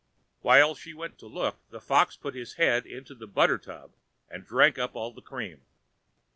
While she went to look, the Fox put his head into the butter tub and drank up all the cream.